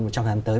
trong tháng tới